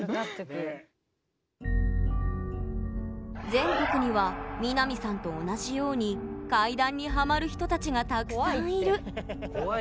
全国には美波さんと同じように怪談にハマる人たちがたくさんいる怖いって。